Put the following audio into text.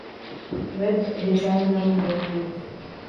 ވެބް ޑިޒައިނަރުން ބޭނުންވެއްޖެ